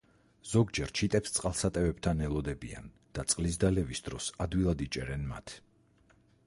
ზოგჯერ ჩიტებს წყალსატევებთან ელოდებიან და წყლის დალევის დროს ადვილად იჭერენ მათ.